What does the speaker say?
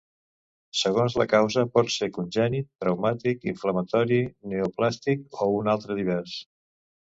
Segons la causa, pot ser congènit, traumàtic, inflamatori, neoplàstic o un altre divers.